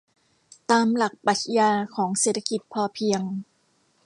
ตามหลักปรัชญาของเศรษฐกิจพอเพียง